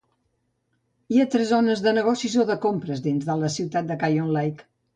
Hi ha tres zones de negocis o de compres dins de la ciutat de Canyon Lake.